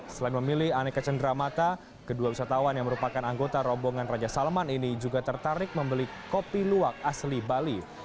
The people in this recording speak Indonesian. selain memilih aneka cenderamata kedua wisatawan yang merupakan anggota rombongan raja salman ini juga tertarik membeli kopi luwak asli bali